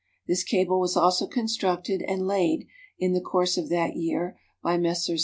This cable was also constructed and laid (in the course of that year) by Messrs.